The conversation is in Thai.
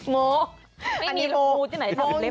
โมไม่มีลงมูที่ไหนทำเล็ก